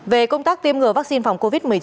về công tác tiêm ngừa vắc xin phòng covid một mươi chín